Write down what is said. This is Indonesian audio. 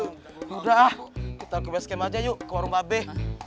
gila udah kita ke base camp aja yuk ke warung pabe